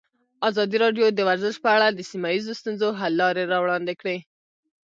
ازادي راډیو د ورزش په اړه د سیمه ییزو ستونزو حل لارې راوړاندې کړې.